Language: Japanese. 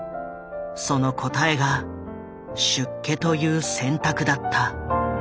その答えが出家という選択だった。